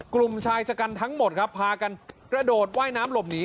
กลุ่มชายชะกันทั้งหมดครับพากันกระโดดว่ายน้ำหลบหนี